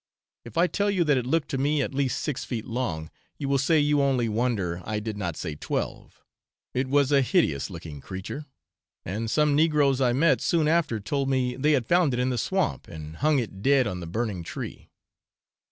If I tell you that it looked to me at least six feet long you will say you only wonder I did not say twelve; it was a hideous looking creature, and some negroes I met soon after told me they had found it in the swamp, and hung it dead on the burning tree.